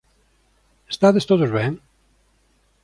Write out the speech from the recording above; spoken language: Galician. Estades todos ben?